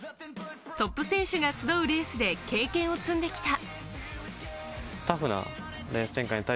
トップ選手が集うレースで経験を積んできた。